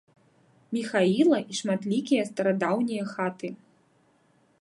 Міхаіла і шматлікія старадаўнія хаты.